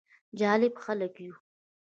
جالب خلک يو: